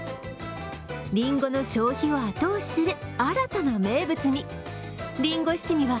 りんごの消費を後押しする新たな名物に。